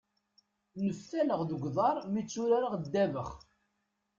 Neftaleɣ deg uḍar mi tturareɣ ddabex.